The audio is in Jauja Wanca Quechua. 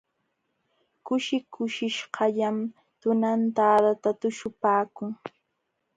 Kushi kushishqallam tunantadata tuśhupaakun.